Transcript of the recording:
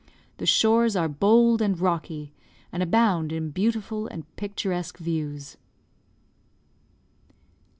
The shores are bold and rocky, and abound in beautiful and picturesque views.